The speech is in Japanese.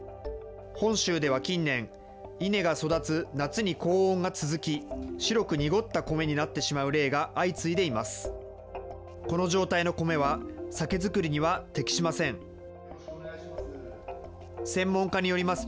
本州では近年、稲が育つ夏に高温が続き、白く濁った米になってしまう例が相次いでいます。